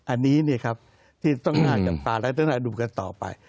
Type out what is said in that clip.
อันนี้นี่ครับที่ต้องการกับปลาและต้องการดูกันต่อไป